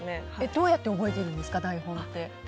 どうやって覚えているんですか台本って。